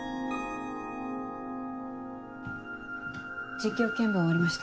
実況見分終わりました。